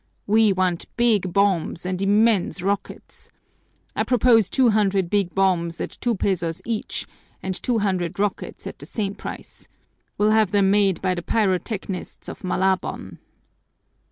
We want big bombs and immense rockets. I propose two hundred big bombs at two pesos each and two hundred rockets at the same price. We'll have them made by the pyrotechnists of Malabon."